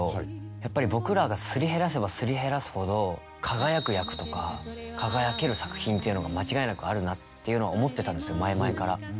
やっぱり僕らがすり減らせばすり減らすほど輝く役とか輝ける作品っていうのが間違いなくあるなっていうのは思ってたんですよ